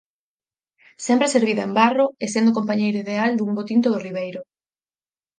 Sempre servida en barro, e sendo compañeira ideal dun bo tinto do Ribeiro.